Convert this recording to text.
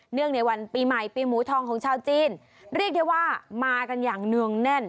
งในวันปีใหม่ปีหมูทองของชาวจีนเรียกได้ว่ามากันอย่างเนื่องแน่น